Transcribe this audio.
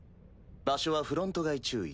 場所はフロント外宙域。